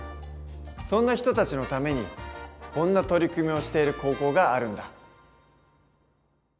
そんな人たちのためにこんな取り組みをしている高校があるんだ。